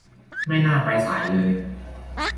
ไม่น่าไปสายเลย